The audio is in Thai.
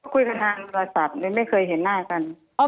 คุยกันนานบริษัทไม่เคยเห็นหน้ากัน